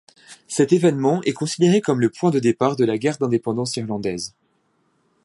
Cet évènement est considéré comme le point de départ de la guerre d’indépendance Irlandaise.